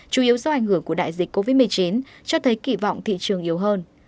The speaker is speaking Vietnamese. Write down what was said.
chủ yếu do ảnh hưởng của đại dịch covid một mươi chín cho thấy kỳ vọng thị trường yếu hơn